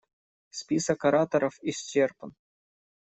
Список ораторов исчерпан.